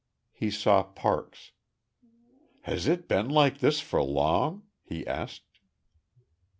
He saw Parks. "Has it been like this for long?" he asked.